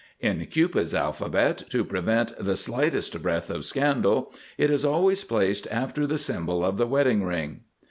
In Cupid's Alphabet, to prevent the slightest breath of scandal, it is always placed after the symbol of the wedding ring.